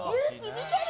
見てる？